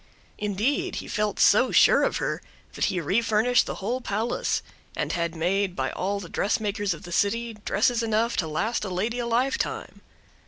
Indeed, he felt so sure of her that he refurnished the whole palace, and had made by all the dressmakers of the city, dresses enough to last a lady a lifetime.